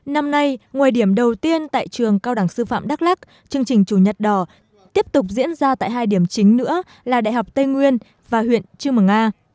năm nay ngoài điểm đầu tiên tại trường cao đẳng sư phạm đắk lắc chương trình chủ nhật đỏ tiếp tục diễn ra tại hai điểm chính nữa là đại học tây nguyên và huyện chư mờ a